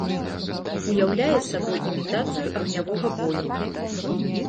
Уяўляе сабой імітацыю агнявога бою.